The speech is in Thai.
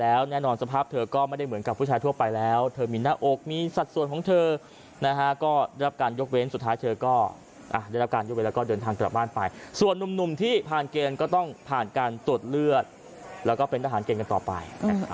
แล้วแน่นอนสภาพเธอก็ไม่ได้เหมือนกับผู้ชายทั่วไปแล้วเธอมีหน้าอกมีสัดส่วนของเธอนะฮะก็ได้รับการยกเว้นสุดท้ายเธอก็ได้รับการยกเว้นแล้วก็เดินทางกลับบ้านไปส่วนนุ่มที่ผ่านเกณฑ์ก็ต้องผ่านการตรวจเลือดแล้วก็เป็นทหารเกณฑ์กันต่อไป